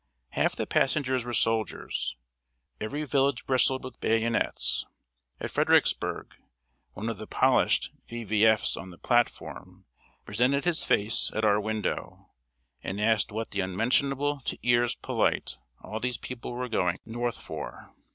] Half the passengers were soldiers. Every village bristled with bayonets. At Fredericksburgh, one of the polished F. F. V.'s on the platform presented his face at our window, and asked what the unmentionable to ears polite all these people were going north for?